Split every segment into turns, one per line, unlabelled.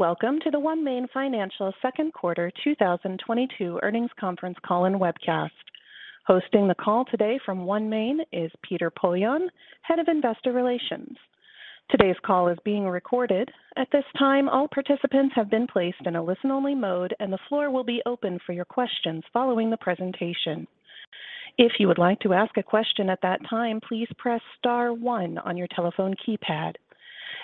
Welcome to the OneMain Financial second quarter 2022 earnings conference call and webcast. Hosting the call today from OneMain is Peter Poillon, Head of Investor Relations. Today's call is being recorded. At this time, all participants have been placed in a listen-only mode, and the floor will be open for your questions following the presentation. If you would like to ask a question at that time, please press star one on your telephone keypad.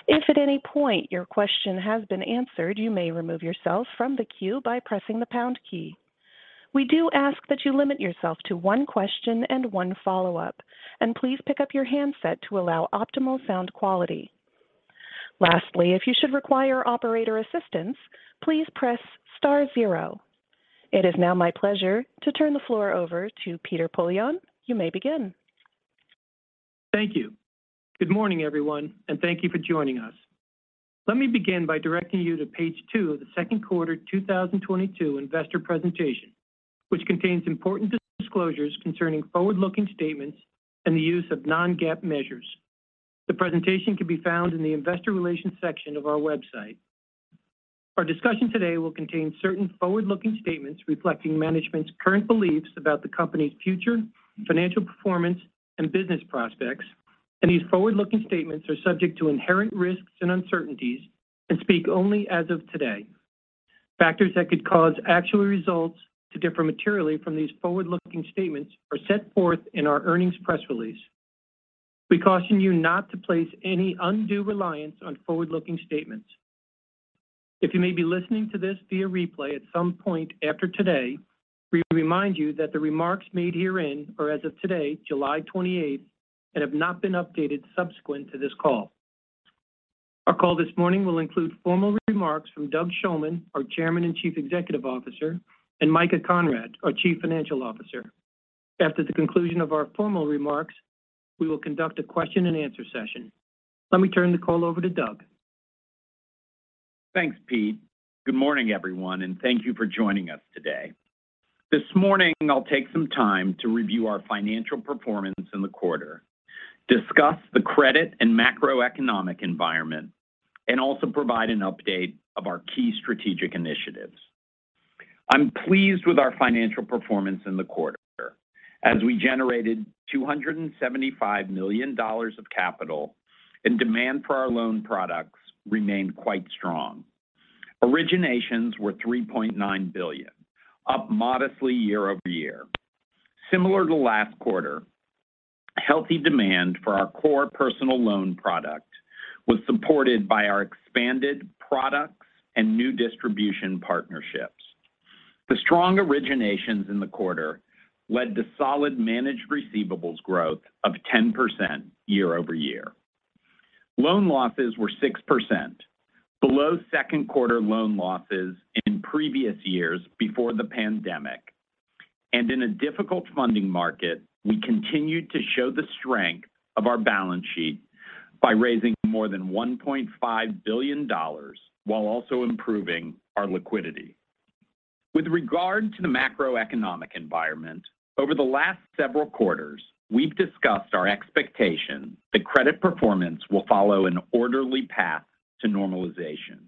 If at any point your question has been answered, you may remove yourself from the queue by pressing the pound key. We do ask that you limit yourself to one question and one follow-up, and please pick up your handset to allow optimal sound quality. Lastly, if you should require operator assistance, please press star zero. It is now my pleasure to turn the floor over to Peter Poillon. You may begin.
Thank you. Good morning, everyone, and thank you for joining us. Let me begin by directing you to page two of the second quarter 2022 investor presentation, which contains important disclosures concerning forward-looking statements and the use of non-GAAP measures. The presentation can be found in the investor relations section of our website. Our discussion today will contain certain forward-looking statements reflecting management's current beliefs about the company's future financial performance and business prospects, and these forward-looking statements are subject to inherent risks and uncertainties and speak only as of today. Factors that could cause actual results to differ materially from these forward-looking statements are set forth in our earnings press release. We caution you not to place any undue reliance on forward-looking statements. If you may be listening to this via replay at some point after today, we remind you that the remarks made herein are as of today, July 28th, and have not been updated subsequent to this call. Our call this morning will include formal remarks from Doug Shulman, our Chairman and Chief Executive Officer, and Micah Conrad, our Chief Financial Officer. After the conclusion of our formal remarks, we will conduct a question-and-answer session. Let me turn the call over to Doug.
Thanks, Pete. Good morning, everyone, and thank you for joining us today. This morning, I'll take some time to review our financial performance in the quarter, discuss the credit and macroeconomic environment, and also provide an update of our key strategic initiatives. I'm pleased with our financial performance in the quarter as we generated $275 million of capital and demand for our loan products remained quite strong. Originations were $3.9 billion, up modestly year-over-year. Similar to last quarter, healthy demand for our core personal loan product was supported by our expanded products and new distribution partnerships. The strong originations in the quarter led to solid managed receivables growth of 10% year-over-year. Loan losses were 6%, below second quarter loan losses in previous years before the pandemic. In a difficult funding market, we continued to show the strength of our balance sheet by raising more than $1.5 billion while also improving our liquidity. With regard to the macroeconomic environment, over the last several quarters, we've discussed our expectation that credit performance will follow an orderly path to normalization.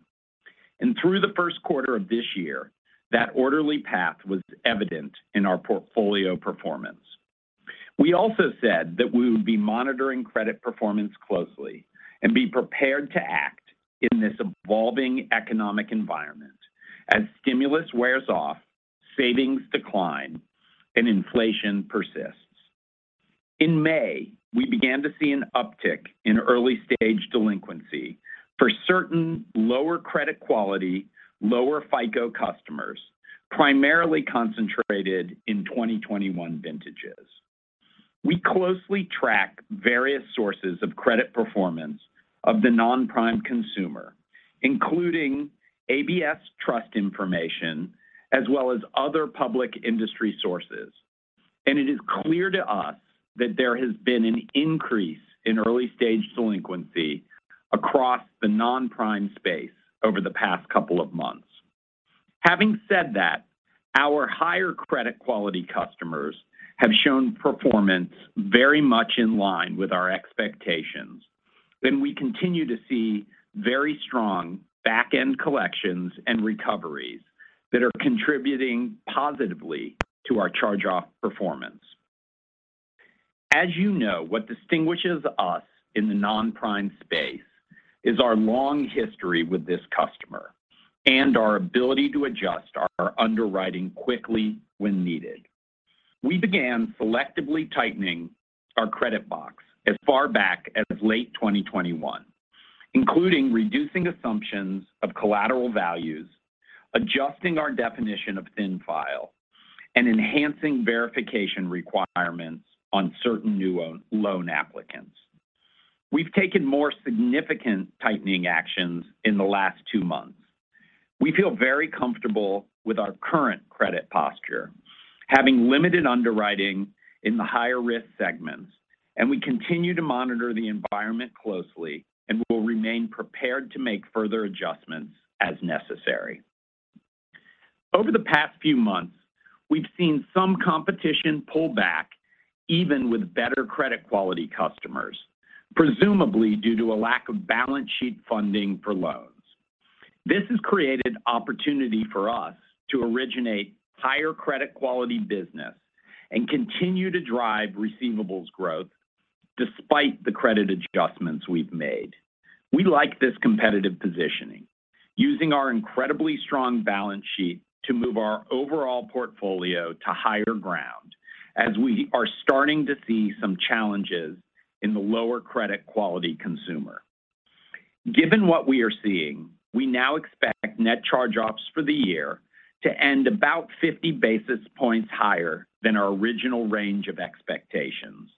Through the first quarter of this year, that orderly path was evident in our portfolio performance. We also said that we would be monitoring credit performance closely and be prepared to act in this evolving economic environment as stimulus wears off, savings decline, and inflation persists. In May, we began to see an uptick in early-stage delinquency for certain lower credit quality, lower FICO customers, primarily concentrated in 2021 vintages. We closely track various sources of credit performance of the non-prime consumer, including ABS trust information as well as other public industry sources. It is clear to us that there has been an increase in early-stage delinquency across the non-prime space over the past couple of months. Having said that, our higher credit quality customers have shown performance very much in line with our expectations, and we continue to see very strong back-end collections and recoveries that are contributing positively to our charge-off performance. As you know, what distinguishes us in the non-prime space is our long history with this customer and our ability to adjust our underwriting quickly when needed. We began selectively tightening our credit box as far back as late 2021, including reducing assumptions of collateral values, adjusting our definition of thin file, and enhancing verification requirements on certain new loan applicants. We've taken more significant tightening actions in the last two months. We feel very comfortable with our current credit posture, having limited underwriting in the higher-risk segments, and we continue to monitor the environment closely and will remain prepared to make further adjustments as necessary. Over the past few months, we've seen some competition pull back even with better credit quality customers, presumably due to a lack of balance sheet funding for loans. This has created opportunity for us to originate higher credit quality business and continue to drive receivables growth despite the credit adjustments we've made. We like this competitive positioning using our incredibly strong balance sheet to move our overall portfolio to higher ground as we are starting to see some challenges in the lower credit quality consumer. Given what we are seeing, we now expect net charge-offs for the year to end about 50 basis points higher than our original range of expectations,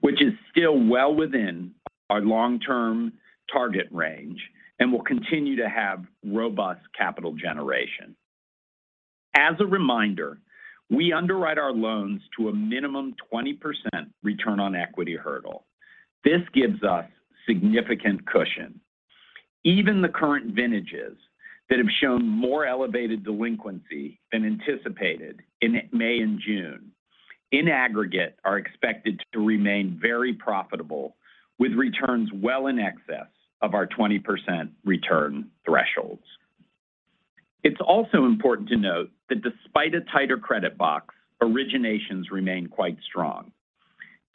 which is still well within our long-term target range and will continue to have robust capital generation. As a reminder, we underwrite our loans to a minimum 20% return on equity hurdle. This gives us significant cushion. Even the current vintages that have shown more elevated delinquency than anticipated in May and June, in aggregate are expected to remain very profitable with returns well in excess of our 20% return thresholds. It's also important to note that despite a tighter credit box, originations remain quite strong.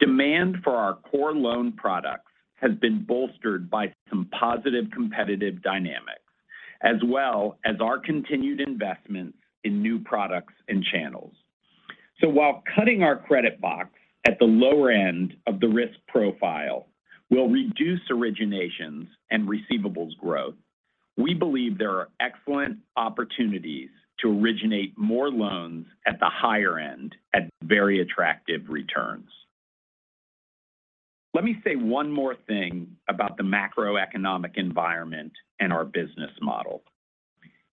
Demand for our core loan products has been bolstered by some positive competitive dynamics, as well as our continued investments in new products and channels. While cutting our credit box at the lower end of the risk profile will reduce originations and receivables growth, we believe there are excellent opportunities to originate more loans at the higher end at very attractive returns. Let me say one more thing about the macroeconomic environment and our business model.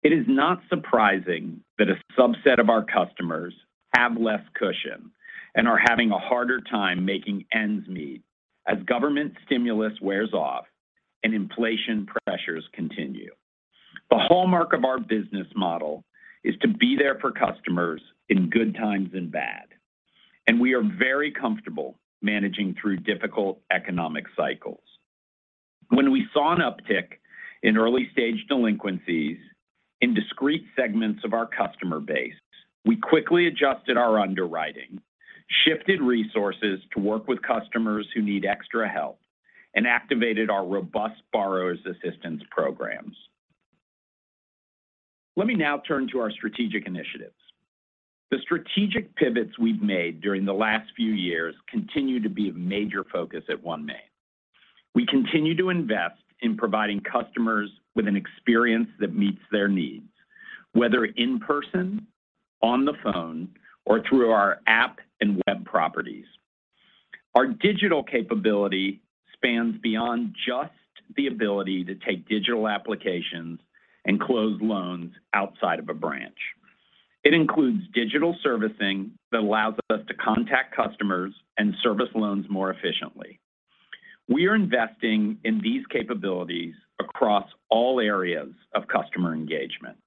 It is not surprising that a subset of our customers have less cushion and are having a harder time making ends meet as government stimulus wears off and inflation pressures continue. The hallmark of our business model is to be there for customers in good times and bad, and we are very comfortable managing through difficult economic cycles. When we saw an uptick in early-stage delinquencies in discrete segments of our customer base, we quickly adjusted our underwriting, shifted resources to work with customers who need extra help, and activated our robust borrower's assistance programs. Let me now turn to our strategic initiatives. The strategic pivots we've made during the last few years continue to be a major focus at OneMain. We continue to invest in providing customers with an experience that meets their needs, whether in person, on the phone, or through our app and web properties. Our digital capability spans beyond just the ability to take digital applications and close loans outside of a branch. It includes digital servicing that allows us to contact customers and service loans more efficiently. We are investing in these capabilities across all areas of customer engagement.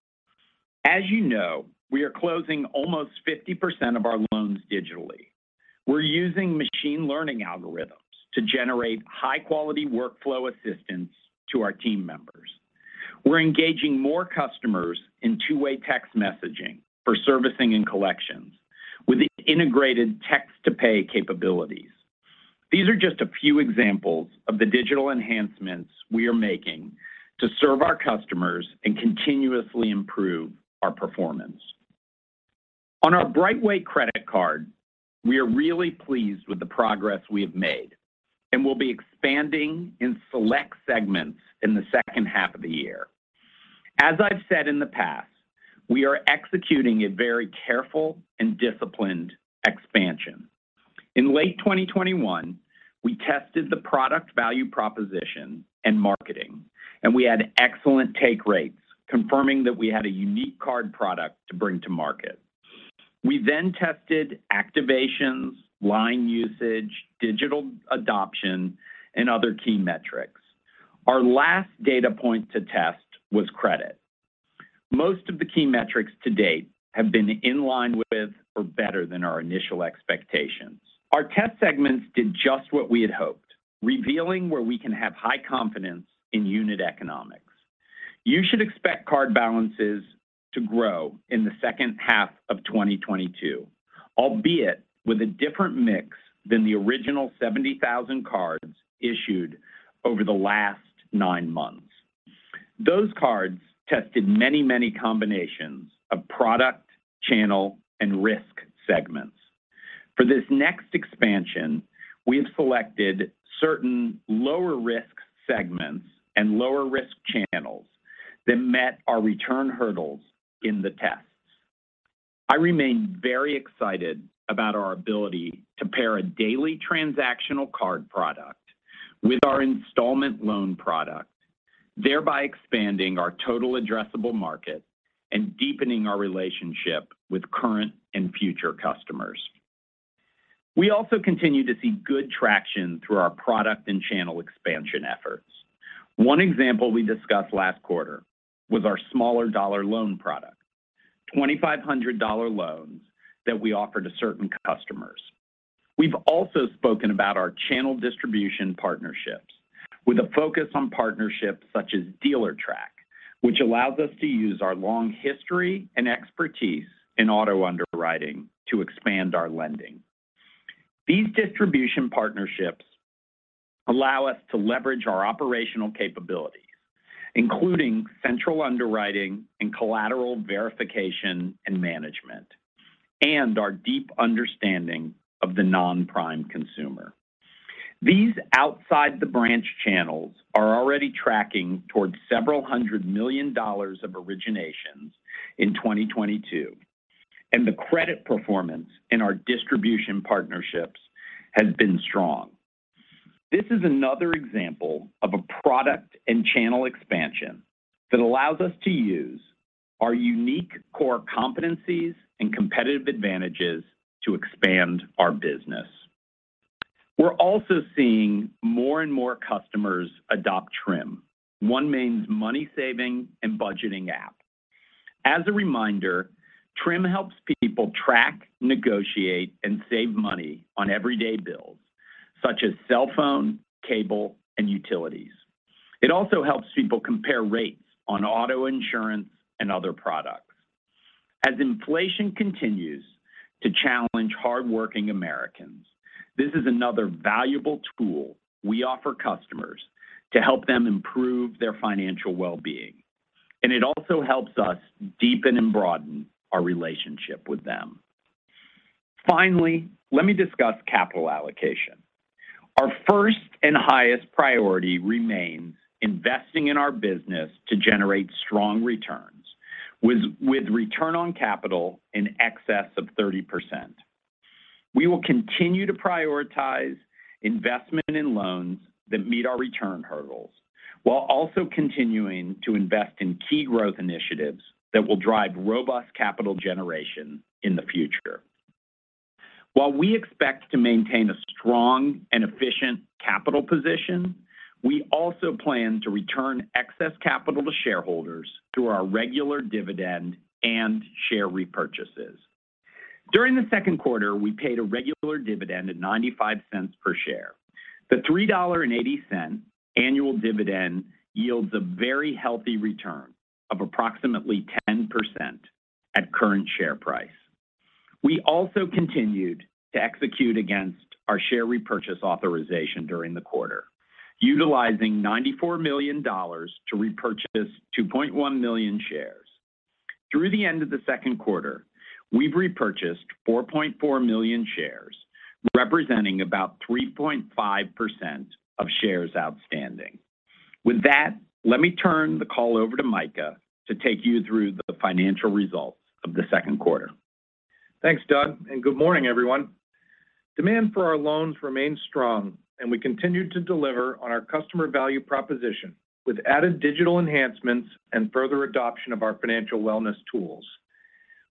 As you know, we are closing almost 50% of our loans digitally. We're using machine learning algorithms to generate high-quality workflow assistance to our team members. We're engaging more customers in two-way text messaging for servicing and collections with integrated text-to-pay capabilities. These are just a few examples of the digital enhancements we are making to serve our customers and continuously improve our performance. On our BrightWay credit card, we are really pleased with the progress we have made and will be expanding in select segments in the second half of the year. As I've said in the past, we are executing a very careful and disciplined expansion. In late 2021, we tested the product value proposition and marketing, and we had excellent take rates, confirming that we had a unique card product to bring to market. We then tested activations, line usage, digital adoption, and other key metrics. Our last data point to test was credit. Most of the key metrics to date have been in line with or better than our initial expectations. Our test segments did just what we had hoped, revealing where we can have high confidence in unit economics. You should expect card balances to grow in the second half of 2022, albeit with a different mix than the original 70,000 cards issued over the last nine months. Those cards tested many, many combinations of product, channel, and risk segments. For this next expansion, we have selected certain lower risk segments and lower risk channels that met our return hurdles in the tests. I remain very excited about our ability to pair a daily transactional card product with our installment loan product, thereby expanding our total addressable market and deepening our relationship with current and future customers. We also continue to see good traction through our product and channel expansion efforts. One example we discussed last quarter was our smaller dollar loan product, $2,500 loans that we offer to certain customers. We've also spoken about our channel distribution partnerships with a focus on partnerships such as Dealertrack, which allows us to use our long history and expertise in auto underwriting to expand our lending. These distribution partnerships allow us to leverage our operational capabilities, including central underwriting and collateral verification and management, and our deep understanding of the non-prime consumer. These outside the branch channels are already tracking towards several hundred million of originations in 2022, and the credit performance in our distribution partnerships has been strong. This is another example of a product and channel expansion that allows us to use our unique core competencies and competitive advantages to expand our business. We're also seeing more and more customers adopt Trim, OneMain's money-saving and budgeting app. As a reminder, Trim helps people track, negotiate, and save money on everyday bills such as cell phone, cable, and utilities. It also helps people compare rates on auto insurance and other products. As inflation continues to challenge hardworking Americans, this is another valuable tool we offer customers to help them improve their financial well-being, and it also helps us deepen and broaden our relationship with them. Finally, let me discuss capital allocation. Our first and highest priority remains investing in our business to generate strong returns with return on capital in excess of 30%. We will continue to prioritize investment in loans that meet our return hurdles, while also continuing to invest in key growth initiatives that will drive robust capital generation in the future. While we expect to maintain a strong and efficient capital position, we also plan to return excess capital to shareholders through our regular dividend and share repurchases. During the second quarter, we paid a regular dividend at $0.95 per share. The $3.80 annual dividend yields a very healthy return of approximately 10% at current share price. We also continued to execute against our share repurchase authorization during the quarter, utilizing $94 million to repurchase 2.1 million shares. Through the end of the second quarter, we've repurchased 4.4 million shares, representing about 3.5% of shares outstanding. With that, let me turn the call over to Micah to take you through the financial results of the second quarter.
Thanks, Doug, and good morning, everyone. Demand for our loans remains strong, and we continue to deliver on our customer value proposition with added digital enhancements and further adoption of our financial wellness tools.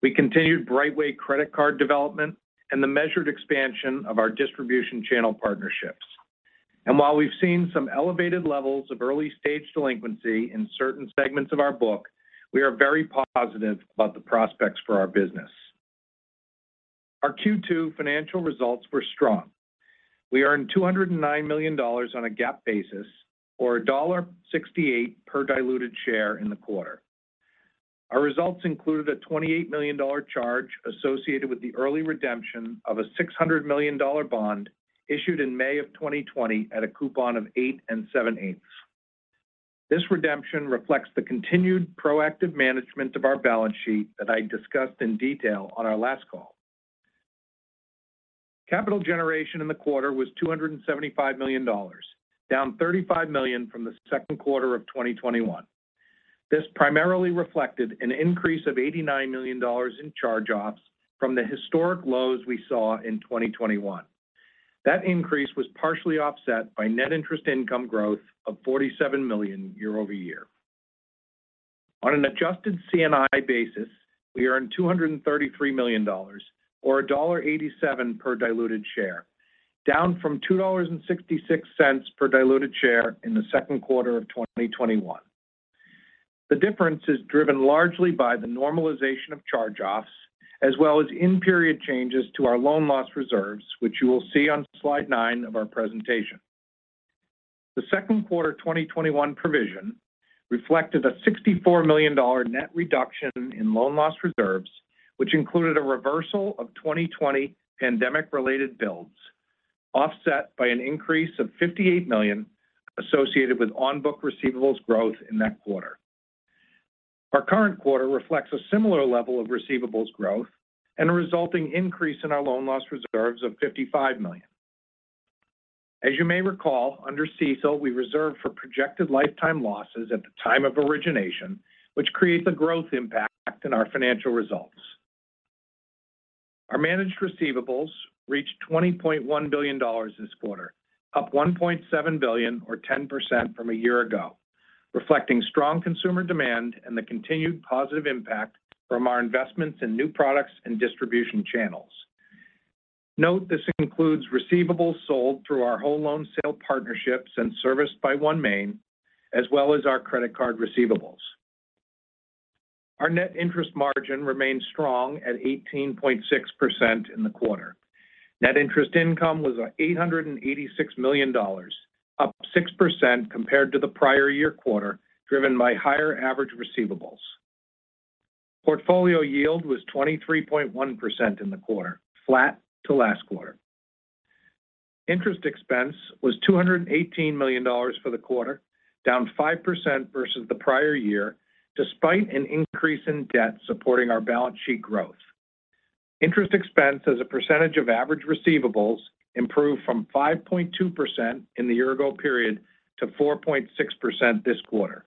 We continued BrightWay credit card development and the measured expansion of our distribution channel partnerships. While we've seen some elevated levels of early-stage delinquency in certain segments of our book, we are very positive about the prospects for our business. Our Q2 financial results were strong. We earned $209 million on a GAAP basis or $1.68 per diluted share in the quarter. Our results included a $28 million charge associated with the early redemption of a $600 million bond issued in May 2020 at a coupon of 8 7/8. This redemption reflects the continued proactive management of our balance sheet that I discussed in detail on our last call. Capital generation in the quarter was $275 million, down $35 million from the second quarter of 2021. This primarily reflected an increase of $89 million in charge-offs from the historic lows we saw in 2021. That increase was partially offset by net interest income growth of $47 million year-over-year. On an adjusted C&I basis, we earned $233 million or $1.87 per diluted share, down from $2.66 per diluted share in the second quarter of 2021. The difference is driven largely by the normalization of charge-offs as well as in-period changes to our loan loss reserves, which you will see on slide nine of our presentation. The second quarter of 2021 provision reflected a $64 million net reduction in loan loss reserves, which included a reversal of 2020 pandemic-related builds, offset by an increase of $58 million associated with on-book receivables growth in that quarter. Our current quarter reflects a similar level of receivables growth and a resulting increase in our loan loss reserves of $55 million. As you may recall, under CECL, we reserve for projected lifetime losses at the time of origination, which creates a growth impact in our financial results. Our managed receivables reached $20.1 billion this quarter, up $1.7 billion or 10% from a year ago. Reflecting strong consumer demand and the continued positive impact from our investments in new products and distribution channels. Note this includes receivables sold through our whole loan sale partnerships and serviced by OneMain, as well as our credit card receivables. Our net interest margin remained strong at 18.6% in the quarter. Net interest income was $886 million, up 6% compared to the prior year quarter, driven by higher average receivables. Portfolio yield was 23.1% in the quarter, flat to last quarter. Interest expense was $218 million for the quarter, down 5% versus the prior year, despite an increase in debt supporting our balance sheet growth. Interest expense as a percentage of average receivables improved from 5.2% in the year-ago period to 4.6% this quarter.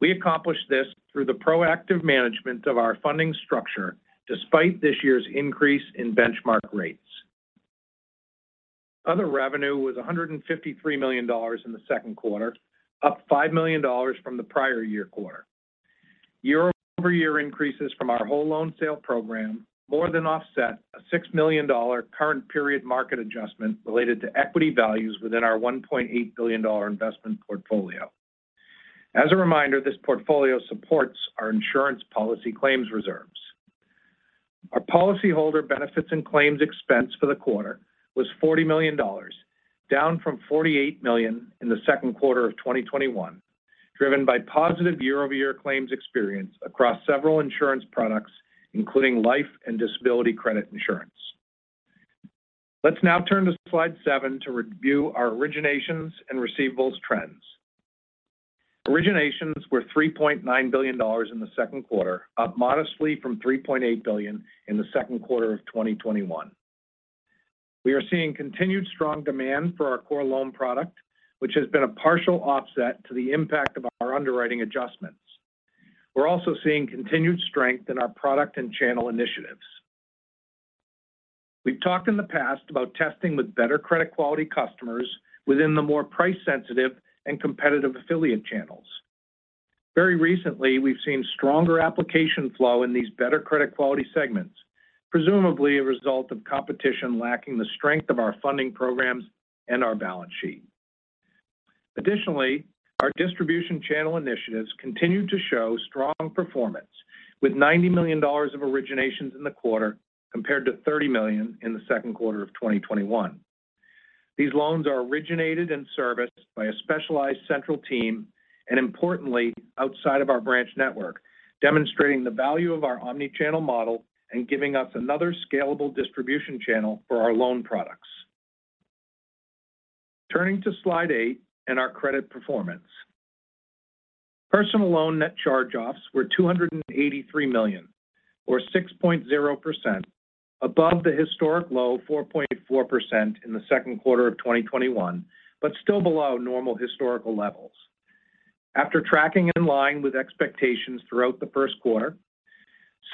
We accomplished this through the proactive management of our funding structure despite this year's increase in benchmark rates. Other revenue was $153 million in the second quarter, up $5 million from the prior year quarter. Year-over-year increases from our whole loan sale program more than offset a $6 million current period market adjustment related to equity values within our $1.8 billion investment portfolio. As a reminder, this portfolio supports our insurance policy claims reserves. Our policyholder benefits and claims expense for the quarter was $40 million, down from $48 million in the second quarter of 2021, driven by positive year-over-year claims experience across several insurance products, including life and disability credit insurance. Let's now turn to slide seven to review our originations and receivables trends. Originations were $3.9 billion in the second quarter, up modestly from $3.8 billion in the second quarter of 2021. We are seeing continued strong demand for our core loan product, which has been a partial offset to the impact of our underwriting adjustments. We're also seeing continued strength in our product and channel initiatives. We've talked in the past about testing with better credit quality customers within the more price-sensitive and competitive affiliate channels. Very recently, we've seen stronger application flow in these better credit quality segments, presumably a result of competition lacking the strength of our funding programs and our balance sheet. Additionally, our distribution channel initiatives continue to show strong performance with $90 million of originations in the quarter compared to $30 million in the second quarter of 2021. These loans are originated and serviced by a specialized central team, and importantly, outside of our branch network, demonstrating the value of our omni-channel model and giving us another scalable distribution channel for our loan products. Turning to slide eight and our credit performance. Personal loan net charge-offs were $283 million, or 6.0% above the historic low 4.4% in the second quarter of 2021, but still below normal historical levels. After tracking in line with expectations throughout the first quarter,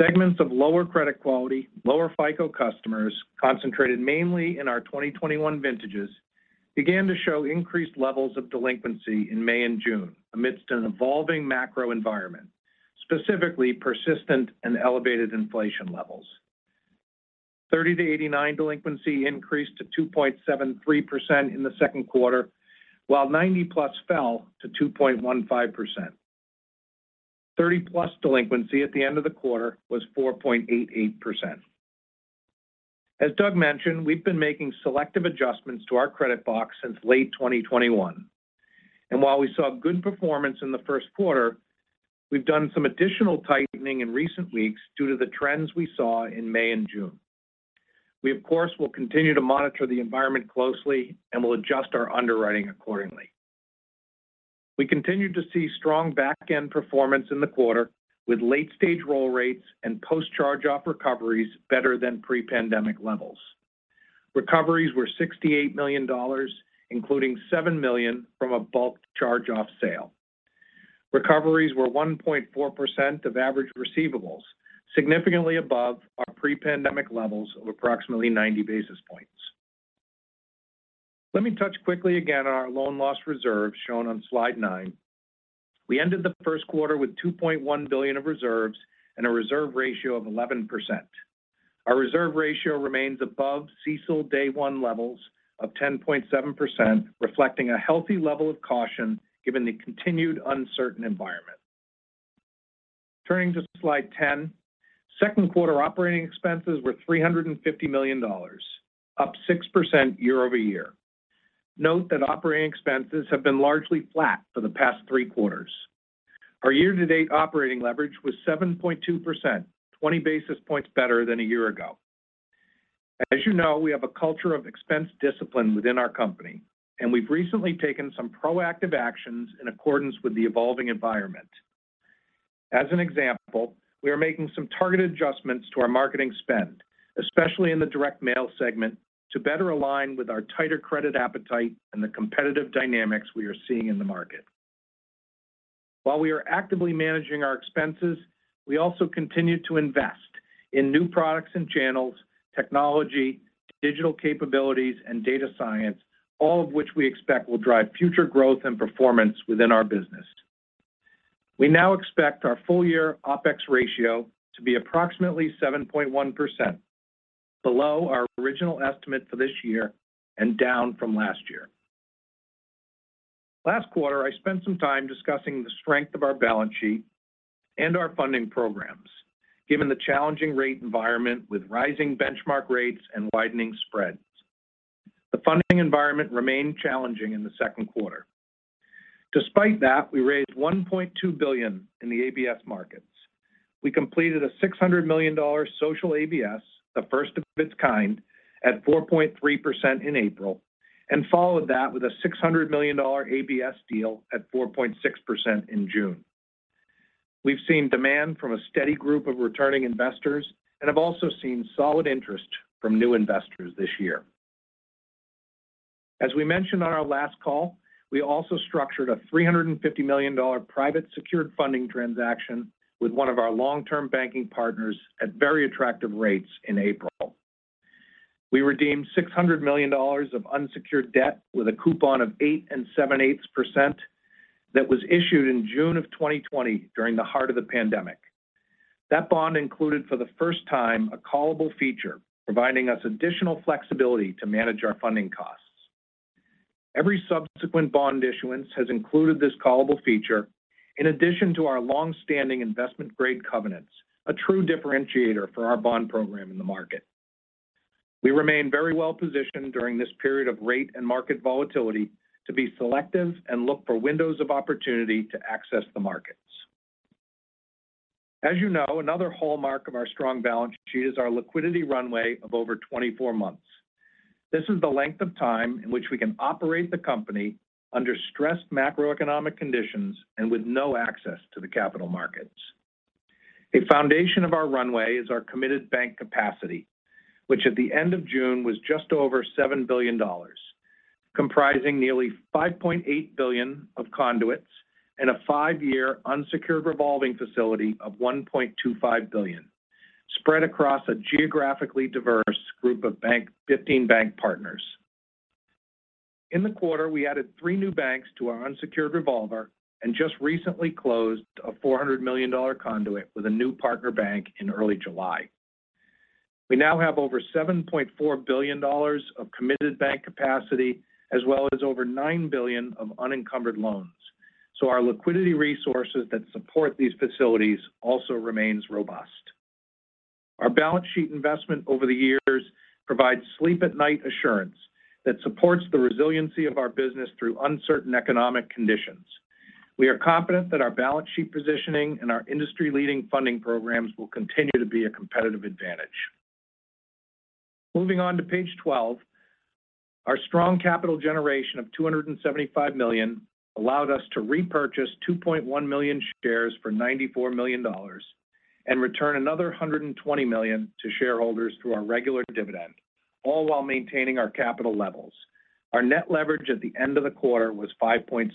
segments of lower credit quality, lower FICO customers concentrated mainly in our 2021 vintages, began to show increased levels of delinquency in May and June amidst an evolving macro environment, specifically persistent and elevated inflation levels. 30-89 delinquency increased to 2.73% in the second quarter, while 90+ fell to 2.15%. 30+ delinquency at the end of the quarter was 4.88%. As Doug mentioned, we've been making selective adjustments to our credit box since late 2021. While we saw good performance in the first quarter, we've done some additional tightening in recent weeks due to the trends we saw in May and June. We of course will continue to monitor the environment closely and will adjust our underwriting accordingly. We continued to see strong back-end performance in the quarter with late-stage roll rates and post-charge-off recoveries better than pre-pandemic levels. Recoveries were $68 million, including $7 million from a bulk charge-off sale. Recoveries were 1.4% of average receivables, significantly above our pre-pandemic levels of approximately 90 basis points. Let me touch quickly again on our loan loss reserve shown on slide 9. We ended the first quarter with $2.1 billion of reserves and a reserve ratio of 11%. Our reserve ratio remains above CECL day one levels of 10.7%, reflecting a healthy level of caution given the continued uncertain environment. Turning to slide 10, second quarter operating expenses were $350 million, up 6% year-over-year. Note that operating expenses have been largely flat for the past three quarters. Our year-to-date operating leverage was 7.2%, 20 basis points better than a year ago. As you know, we have a culture of expense discipline within our company, and we've recently taken some proactive actions in accordance with the evolving environment. As an example, we are making some targeted adjustments to our marketing spend, especially in the direct mail segment, to better align with our tighter credit appetite and the competitive dynamics we are seeing in the market. While we are actively managing our expenses, we also continue to invest in new products and channels, technology, digital capabilities, and data science, all of which we expect will drive future growth and performance within our business. We now expect our full-year OpEx ratio to be approximately 7.1% below our original estimate for this year and down from last year. Last quarter, I spent some time discussing the strength of our balance sheet and our funding programs, given the challenging rate environment with rising benchmark rates and widening spreads. The funding environment remained challenging in the second quarter. Despite that, we raised $1.2 billion in the ABS markets. We completed a $600 million social ABS, the first of its kind, at 4.3% in April and followed that with a $600 million ABS deal at 4.6% in June. We've seen demand from a steady group of returning investors and have also seen solid interest from new investors this year. As we mentioned on our last call, we also structured a $350 million private secured funding transaction with one of our long-term banking partners at very attractive rates in April. We redeemed $600 million of unsecured debt with a coupon of 8 7/8% that was issued in June 2020 during the heart of the pandemic. That bond included for the first time a callable feature, providing us additional flexibility to manage our funding costs. Every subsequent bond issuance has included this callable feature in addition to our long-standing investment-grade covenants, a true differentiator for our bond program in the market. We remain very well-positioned during this period of rate and market volatility to be selective and look for windows of opportunity to access the markets. As you know, another hallmark of our strong balance sheet is our liquidity runway of over 24 months. This is the length of time in which we can operate the company under stressed macroeconomic conditions and with no access to the capital markets. A foundation of our runway is our committed bank capacity, which at the end of June was just over $7 billion, comprising nearly $5.8 billion of conduits and a five-year unsecured revolving facility of $1.25 billion spread across a geographically diverse group of 15 bank partners. In the quarter, we added three new banks to our unsecured revolver and just recently closed a $400 million conduit with a new partner bank in early July. We now have over $7.4 billion of committed bank capacity as well as over $9 billion of unencumbered loans. Our liquidity resources that support these facilities also remains robust. Our balance sheet investment over the years provides sleep at night assurance that supports the resiliency of our business through uncertain economic conditions. We are confident that our balance sheet positioning and our industry-leading funding programs will continue to be a competitive advantage. Moving on to page 12, our strong capital generation of $275 million allowed us to repurchase 2.1 million shares for $94 million and return another $120 million to shareholders through our regular dividend, all while maintaining our capital levels. Our net leverage at the end of the quarter was 5.6x.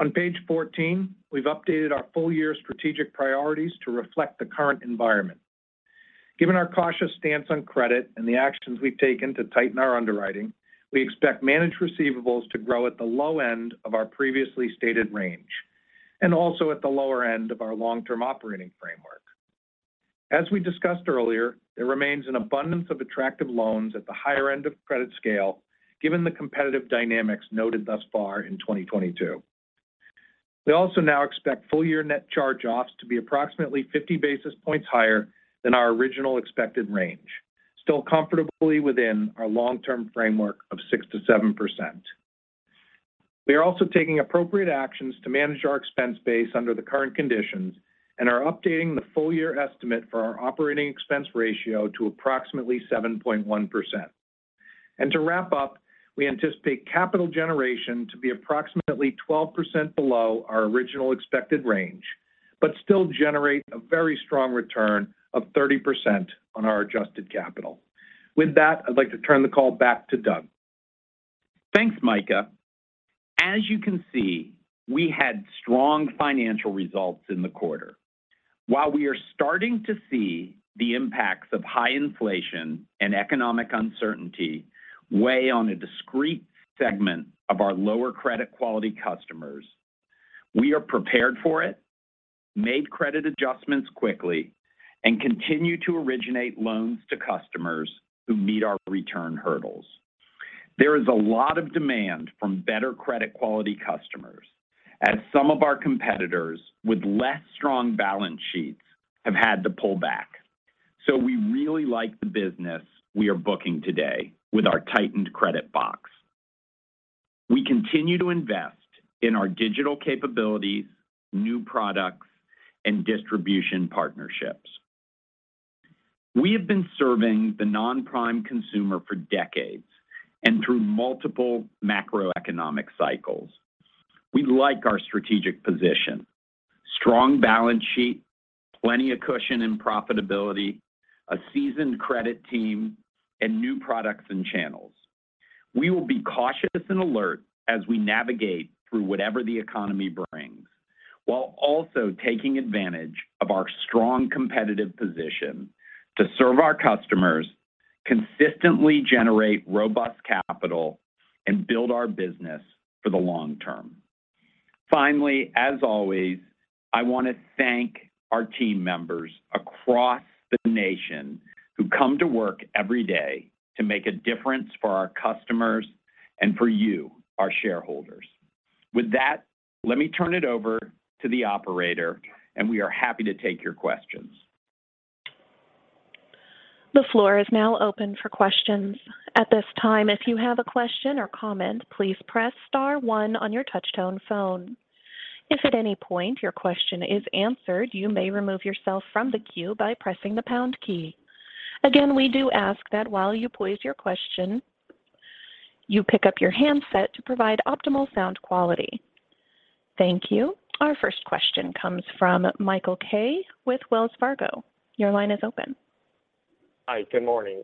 On page 14, we've updated our full-year strategic priorities to reflect the current environment. Given our cautious stance on credit and the actions we've taken to tighten our underwriting, we expect managed receivables to grow at the low end of our previously stated range and also at the lower end of our long-term operating framework. As we discussed earlier, there remains an abundance of attractive loans at the higher end of credit scale given the competitive dynamics noted thus far in 2022. We also now expect full-year net charge-offs to be approximately 50 basis points higher than our original expected range, still comfortably within our long-term framework of 6%-7%. We are also taking appropriate actions to manage our expense base under the current conditions and are updating the full-year estimate for our operating expense ratio to approximately 7.1%. To wrap up, we anticipate capital generation to be approximately 12% below our original expected range but still generate a very strong return of 30% on our adjusted capital. With that, I'd like to turn the call back to Doug.
Thanks, Micah. As you can see, we had strong financial results in the quarter. While we are starting to see the impacts of high inflation and economic uncertainty weigh on a discrete segment of our lower credit quality customers, we are prepared for it, made credit adjustments quickly, and continue to originate loans to customers who meet our return hurdles. There is a lot of demand from better credit quality customers as some of our competitors with less strong balance sheets have had to pull back. We really like the business we are booking today with our tightened credit box. We continue to invest in our digital capabilities, new products, and distribution partnerships. We have been serving the non-prime consumer for decades and through multiple macroeconomic cycles. We like our strategic position. Strong balance sheet, plenty of cushion and profitability, a seasoned credit team, and new products and channels. We will be cautious and alert as we navigate through whatever the economy brings, while also taking advantage of our strong competitive position to serve our customers, consistently generate robust capital, and build our business for the long term. Finally, as always, I want to thank our team members across the nation who come to work every day to make a difference for our customers and for you, our shareholders. With that, let me turn it over to the operator, and we are happy to take your questions.
The floor is now open for questions. At this time, if you have a question or comment, please press star one on your touch-tone phone. If at any point your question is answered, you may remove yourself from the queue by pressing the pound key. Again, we do ask that while you pose your question, you pick up your handset to provide optimal sound quality. Thank you. Our first question comes from Michael Kaye with Wells Fargo. Your line is open.
Hi. Good morning.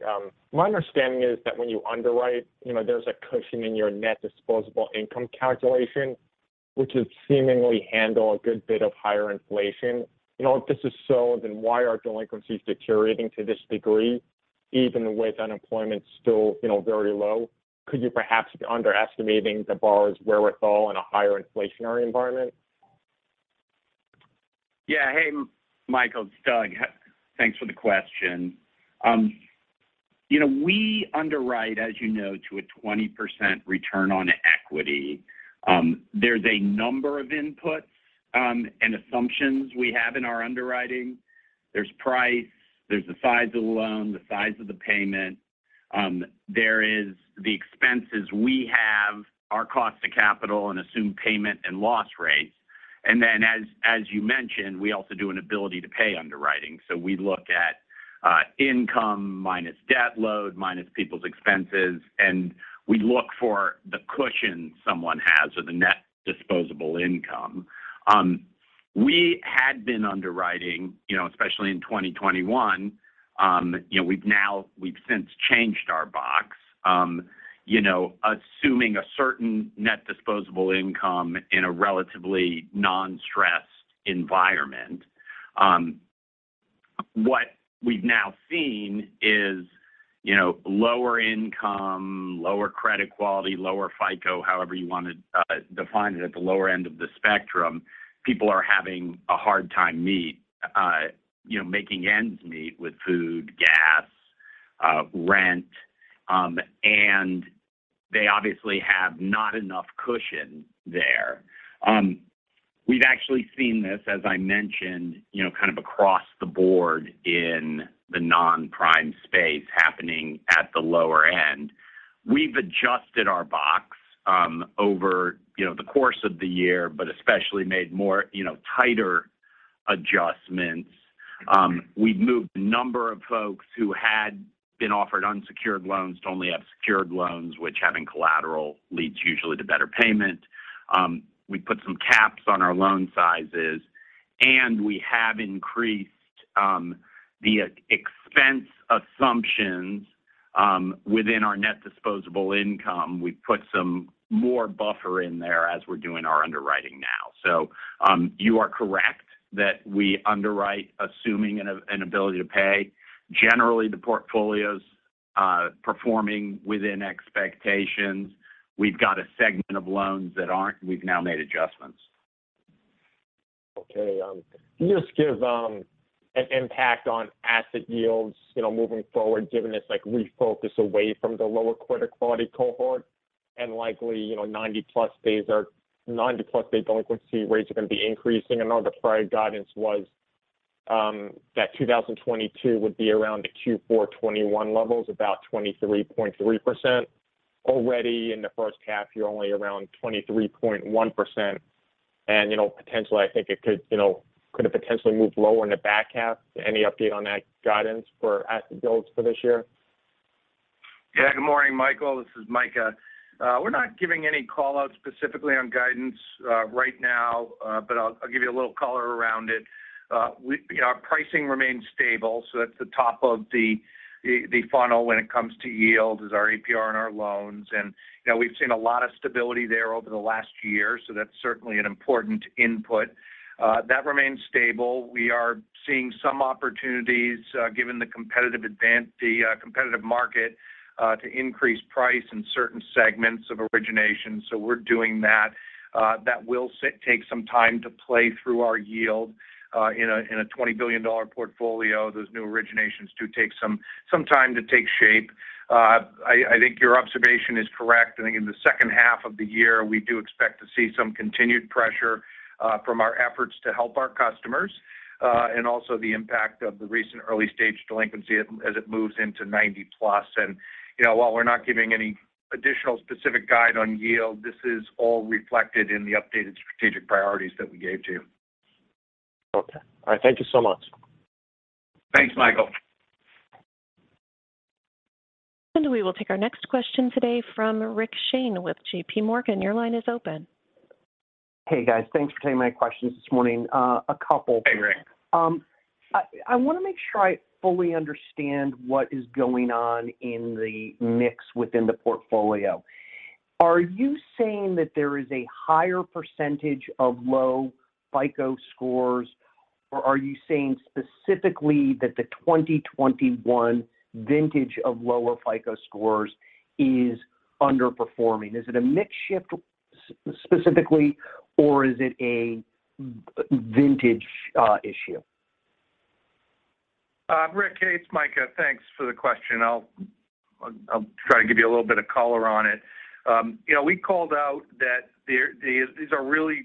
My understanding is that when you underwrite, you know, there's a cushion in your net disposable income calculation which would seemingly handle a good bit of higher inflation. You know, if this is so, then why are delinquencies deteriorating to this degree even with unemployment still, you know, very low? Could you perhaps be underestimating the borrower's wherewithal in a higher inflationary environment?
Yeah. Hey, Michael, it's Doug. Thanks for the question. You know, we underwrite, as you know, to a 20% return on equity. There's a number of inputs, and assumptions we have in our underwriting. There's price, there's the size of the loan, the size of the payment. There is the expenses we have, our cost to capital and assumed payment and loss rates. As you mentioned, we also do an ability to pay underwriting. We look at income minus debt load, minus people's expenses, and we look for the cushion someone has or the net disposable income. We had been underwriting, you know, especially in 2021. You know, we've since changed our box. You know, assuming a certain net disposable income in a relatively non-stressed environment. What we've now seen is, you know, lower income, lower credit quality, lower FICO, however you want to define it at the lower end of the spectrum. People are having a hard time making ends meet with food, gas, rent, and they obviously have not enough cushion there. We've actually seen this, as I mentioned, you know, kind of across the board in the non-prime space happening at the lower end. We've adjusted our box over, you know, the course of the year, but especially made more, you know, tighter adjustments. We've moved a number of folks who had been offered unsecured loans to only have secured loans, which having collateral leads usually to better payment. We put some caps on our loan sizes, and we have increased the expense assumptions within our net disposable income. We put some more buffer in there as we're doing our underwriting now. You are correct that we underwrite assuming an ability to pay. Generally, the portfolio's performing within expectations. We've got a segment of loans that aren't. We've now made adjustments.
Okay. Can you just give an impact on asset yields, you know, moving forward given this like refocus away from the lower credit quality cohort and likely, you know, 90+ day delinquency rates are going to be increasing? I know the prior guidance was that 2022 would be around the Q4 2021 levels, about 23.3%. Already in the first half, you're only around 23.1%. You know, potentially, I think it could, you know, could have potentially moved lower in the back half. Any update on that guidance for asset yields for this year?
Yeah. Good morning, Michael. This is Micah. We're not giving any call-outs specifically on guidance right now. I'll give you a little color around it. You know, our pricing remains stable, so that's the top of the funnel when it comes to yield, our APR and our loans. You know, we've seen a lot of stability there over the last year, so that's certainly an important input. That remains stable. We are seeing some opportunities given the competitive market to increase price in certain segments of origination. We're doing that. That will take some time to play through our yield. In a $20 billion portfolio, those new originations do take some time to take shape. I think your observation is correct. I think in the second half of the year, we do expect to see some continued pressure from our efforts to help our customers, and also the impact of the recent early-stage delinquency as it moves into 90+. You know, while we're not giving any additional specific guidance on yield, this is all reflected in the updated strategic priorities that we gave to you.
Okay. All right. Thank you so much.
Thanks, Michael.
We will take our next question today from Rick Shane with JPMorgan. Your line is open.
Hey guys. Thanks for taking my questions this morning. A couple
Hey, Rick.
I wanna make sure I fully understand what is going on in the mix within the portfolio. Are you saying that there is a higher percentage of low FICO scores, or are you saying specifically that the 2021 vintage of lower FICO scores is underperforming? Is it a mix shift specifically, or is it a vintage issue?
Rick, hey, it's Micah. Thanks for the question. I'll try to give you a little bit of color on it. You know, we called out that these are really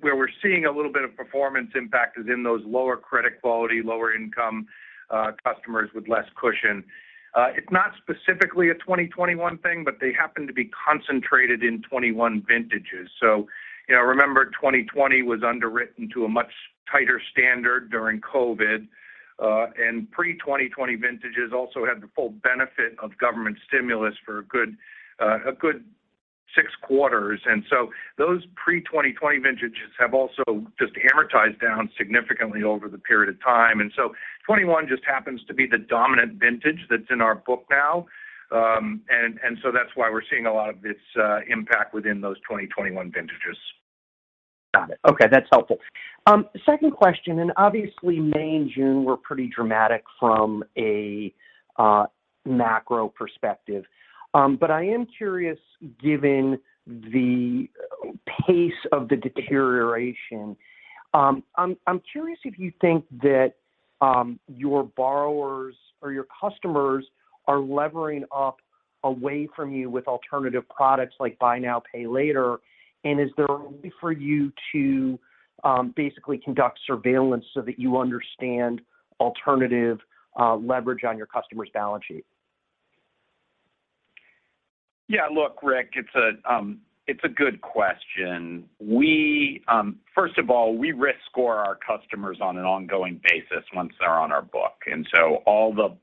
where we're seeing a little bit of performance impact is in those lower credit quality, lower income customers with less cushion. It's not specifically a 2021 thing, but they happen to be concentrated in 2021 vintages. You know, remember 2020 was underwritten to a much tighter standard during COVID, and pre-2020 vintages also had the full benefit of government stimulus for a good six quarters. Those pre-2020 vintages have also just amortized down significantly over the period of time. 2021 just happens to be the dominant vintage that's in our book now. That's why we're seeing a lot of this impact within those 2021 vintages.
Got it. Okay, that's helpful. Second question, obviously May and June were pretty dramatic from a macro perspective. I am curious, given the pace of the deterioration, I'm curious if you think that your borrowers or your customers are levering up away from you with alternative products like buy now, pay later. Is there a way for you to basically conduct surveillance so that you understand alternative leverage on your customers' balance sheet?
Yeah, look, Rick, it's a good question. We first of all risk score our customers on an ongoing basis once they're on our book. All the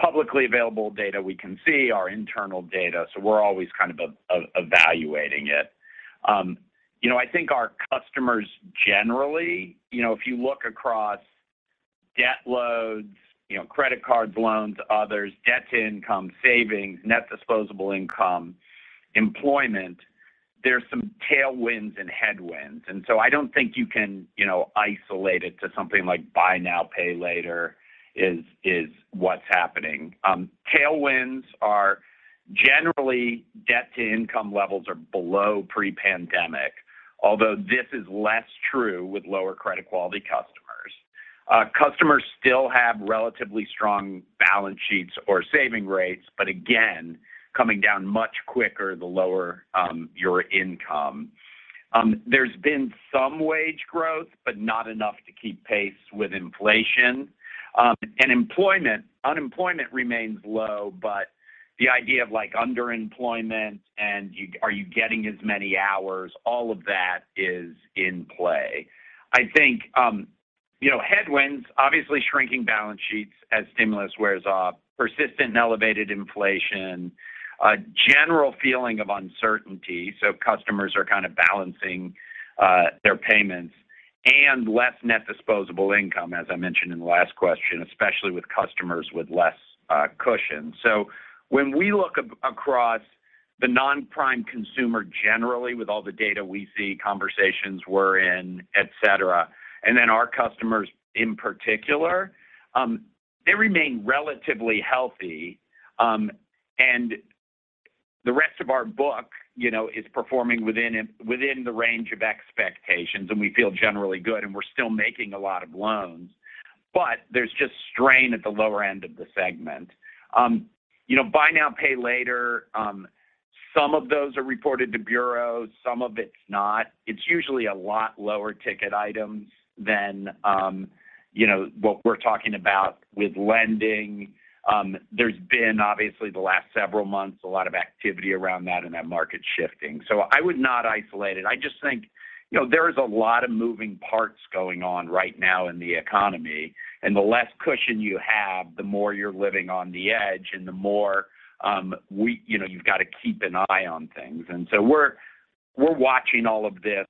publicly available data we can see are internal data, so we're always kind of evaluating it. You know, I think our customers generally, you know, if you look across debt loads, you know, credit cards, loans, others, debt to income, savings, net disposable income, employment, there's some tailwinds and headwinds. I don't think you can, you know, isolate it to something like buy now, pay later is what's happening. Tailwinds are generally debt to income levels are below pre-pandemic, although this is less true with lower credit quality customers. Customers still have relatively strong balance sheets or saving rates, but again, coming down much quicker the lower your income. There's been some wage growth, but not enough to keep pace with inflation. Unemployment remains low, but the idea of like underemployment and are you getting as many hours, all of that is in play. I think, you know, headwinds, obviously shrinking balance sheets as stimulus wears off, persistent and elevated inflation, a general feeling of uncertainty, so customers are kind of balancing their payments and less net disposable income, as I mentioned in the last question, especially with customers with less cushion. When we look across the non-prime consumer generally with all the data we see, conversations we're in, etc., and then our customers in particular, they remain relatively healthy. The rest of our book, you know, is performing within the range of expectations and we feel generally good and we're still making a lot of loans. There's just strain at the lower end of the segment. You know, buy now, pay later, some of those are reported to bureaus, some of it's not. It's usually a lot lower ticket items than, you know, what we're talking about with lending. There's been obviously the last several months a lot of activity around that and that market shifting. I would not isolate it. I just think, you know, there is a lot of moving parts going on right now in the economy, and the less cushion you have, the more you're living on the edge and the more, you know, you've got to keep an eye on things. We're watching all of this.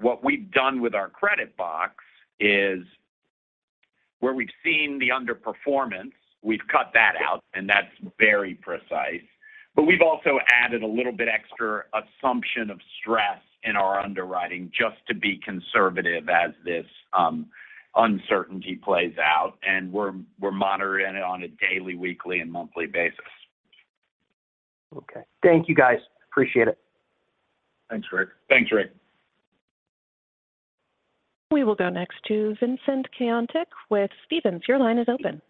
What we've done with our credit box is where we've seen the underperformance, we've cut that out and that's very precise. But we've also added a little bit extra assumption of stress in our underwriting just to be conservative as this uncertainty plays out. We're monitoring it on a daily, weekly and monthly basis.
Okay. Thank you guys. Appreciate it.
Thanks, Rick.
Thanks, Rick. We will go next to Vincent Caintic with Stephens. Your line is open.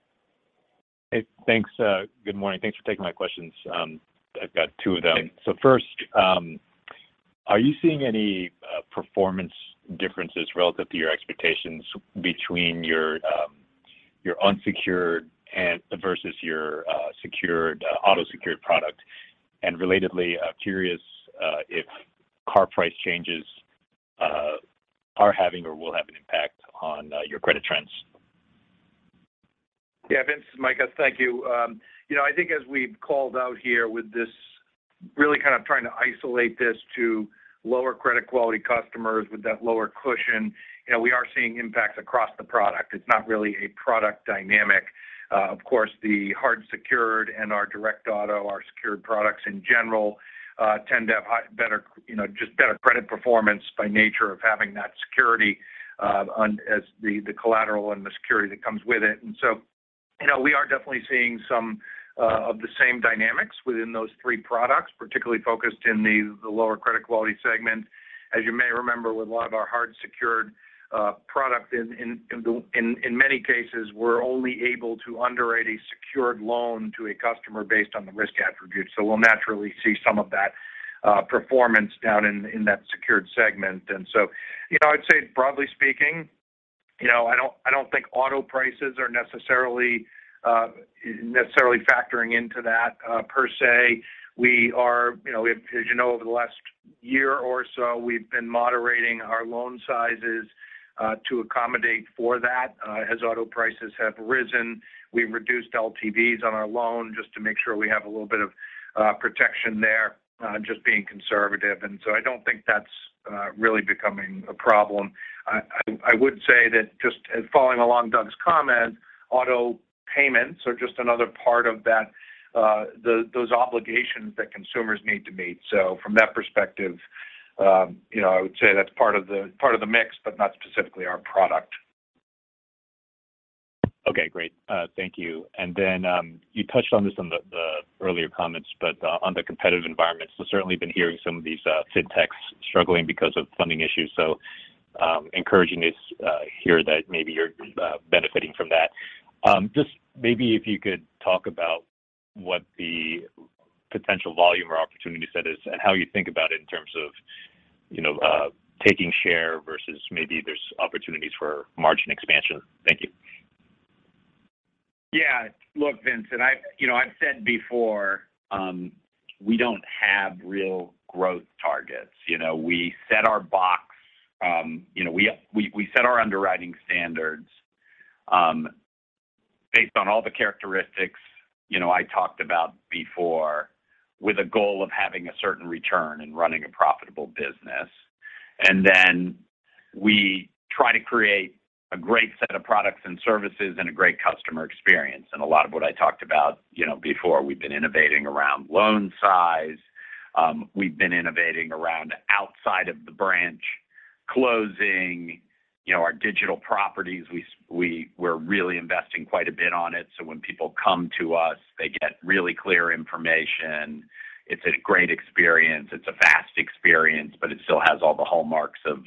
Hey, thanks. Good morning. Thanks for taking my questions. I've got two of them. First, are you seeing any performance differences relative to your expectations between your unsecured versus your secured auto-secured product? Relatedly, curious if car price changes are having or will have an impact on your credit trends.
Yeah, Vince, this is Mike. Thank you. You know, I think as we've called out here with this really kind of trying to isolate this to lower credit quality customers with that lower cushion, you know, we are seeing impacts across the product. It's not really a product dynamic. Of course, the hard secured and our direct auto, our secured products in general, tend to have better, you know, just better credit performance by nature of having that security, as the collateral and the security that comes with it. You know, we are definitely seeing some of the same dynamics within those three products, particularly focused in the lower credit quality segment. As you may remember, with a lot of our hard secured product, in many cases, we're only able to underwrite a secured loan to a customer based on the risk attribute. So we'll naturally see some of that performance down in that secured segment. You know, I'd say broadly speaking, you know, I don't think auto prices are necessarily factoring into that per se. As you know, over the last year or so, we've been moderating our loan sizes to accommodate for that. As auto prices have risen, we've reduced LTVs on our loan just to make sure we have a little bit of protection there, just being conservative. I don't think that's really becoming a problem. I would say that just following along Doug's comment, auto payments are just another part of that, those obligations that consumers need to meet. From that perspective, you know, I would say that's part of the mix, but not specifically our product.
Okay, great. Thank you. You touched on this in the earlier comments, but on the competitive environment. Certainly been hearing some of these fintechs struggling because of funding issues. Encouraging to hear that maybe you're benefiting from that. Just maybe if you could talk about what the potential volume or opportunity set is and how you think about it in terms of you know taking share versus maybe there's opportunities for margin expansion. Thank you.
Yeah. Look, Vincent, you know, I've said before, we don't have real growth targets. You know, we set our box, you know, we set our underwriting standards based on all the characteristics, you know, I talked about before with a goal of having a certain return and running a profitable business. We try to create a great set of products and services and a great customer experience. A lot of what I talked about, you know, before, we've been innovating around loan size. We've been innovating around outside of the branch closing. You know, our digital properties, we're really investing quite a bit on it. When people come to us, they get really clear information. It's a great experience. It's a fast experience, but it still has all the hallmarks of,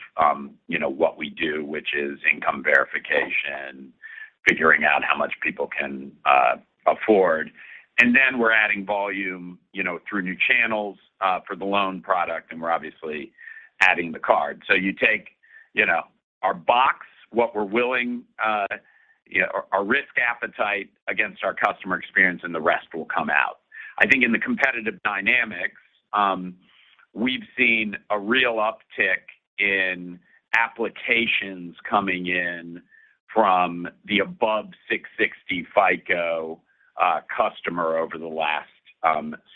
you know, what we do, which is income verification, figuring out how much people can afford. Then we're adding volume, you know, through new channels, for the loan product, and we're obviously adding the card. You take, you know, our box, what we're willing, you know, our risk appetite against our customer experience, and the rest will come out. I think in the competitive dynamics, we've seen a real uptick in applications coming in from the above 660 FICO customer over the last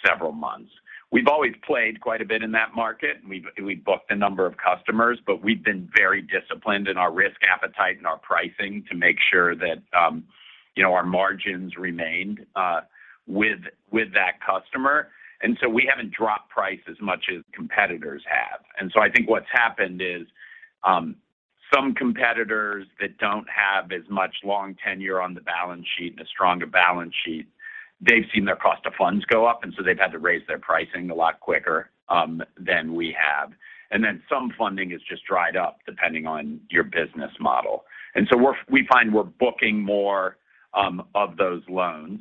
several months. We've always played quite a bit in that market, and we've booked a number of customers, but we've been very disciplined in our risk appetite and our pricing to make sure that, you know, our margins remained with that customer. We haven't dropped price as much as competitors have. I think what's happened is, some competitors that don't have as much long tenure on the balance sheet and a stronger balance sheet, they've seen their cost of funds go up, and so they've had to raise their pricing a lot quicker than we have. Some funding has just dried up depending on your business model. We find we're booking more of those loans.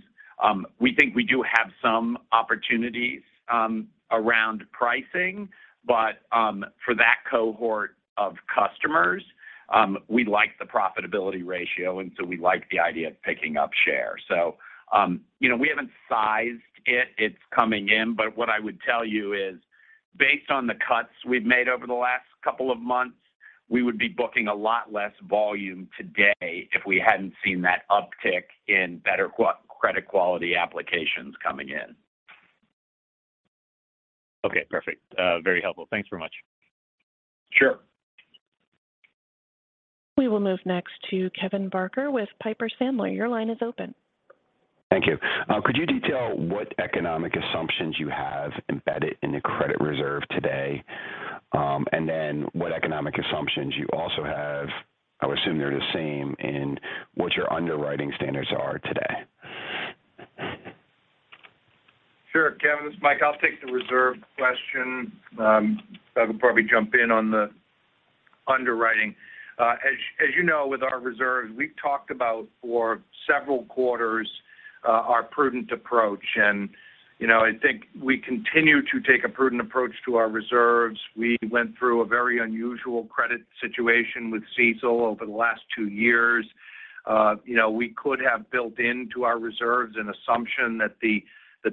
We think we do have some opportunities around pricing, but for that cohort of customers, we like the profitability ratio, and so we like the idea of picking up share. You know, we haven't sized it. It's coming in. What I would tell you is, based on the cuts we've made over the last couple of months, we would be booking a lot less volume today if we hadn't seen that uptick in better credit quality applications coming in.
Okay, perfect. Very helpful. Thanks very much.
Sure.
We will move next to Kevin Barker with Piper Sandler. Your line is open.
Thank you. Could you detail what economic assumptions you have embedded in the credit reserve today? What economic assumptions you also have, I would assume they're the same, in what your underwriting standards are today?
Sure. Kevin, this is Mike. I'll take the reserve question. Doug will probably jump in on the underwriting. As you know, with our reserves, we've talked about for several quarters our prudent approach. You know, I think we continue to take a prudent approach to our reserves. We went through a very unusual credit situation with CECL over the last two years. You know, we could have built into our reserves an assumption that the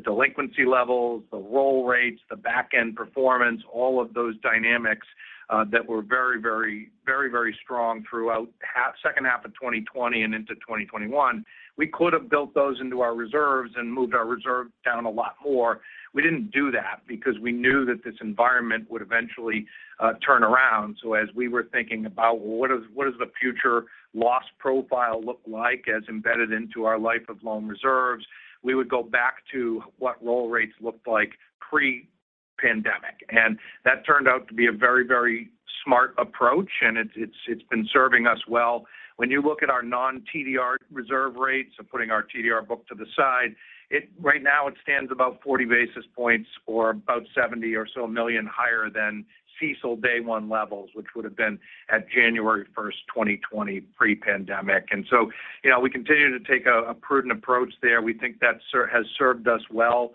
delinquency levels, the roll rates, the back end performance, all of those dynamics that were very strong throughout second half of 2020 and into 2021. We could have built those into our reserves and moved our reserve down a lot more. We didn't do that because we knew that this environment would eventually turn around. As we were thinking about what does the future loss profile look like as embedded into our life of loan reserves, we would go back to what roll rates looked like pre-pandemic. That turned out to be a very, very smart approach, and it's been serving us well. When you look at our non-TDR reserve rates, putting our TDR book to the side, right now it stands about 40 basis points or about $70 or so million higher than CECL day one levels, which would have been at January 1, 2020 pre-pandemic. You know, we continue to take a prudent approach there. We think that has served us well,